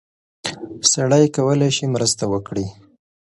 سړی کولی شي مرسته وکړي.